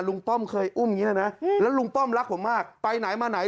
ป้อมเคยอุ้มอย่างนี้แล้วนะแล้วลุงป้อมรักผมมากไปไหนมาไหน